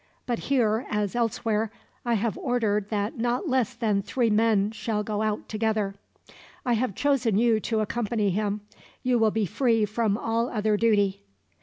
But here, as elsewhere, I have ordered that not less than three men shall go out together. "I have chosen you to accompany him. You will be free from all other duty."